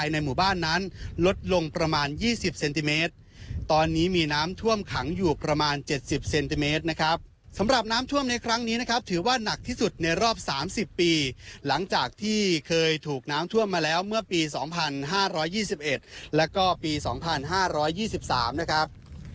และประมาณ๗๐เซนติเมตรนะครับสำหรับน้ำท่วมในครั้งนี้นะครับถือว่านักที่สุดในรอบ๓๐ปีหลังจากที่เคยถูกน้ำท่วมมาแล้วเมื่อปี๒๕๒๑แล้วก็ปี๒๕๒๓นะครับ